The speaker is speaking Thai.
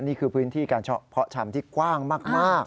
นี่คือพื้นที่การเพาะชำที่กว้างมาก